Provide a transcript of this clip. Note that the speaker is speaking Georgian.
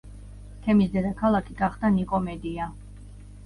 თემის დედაქალაქი გახდა ნიკომედია.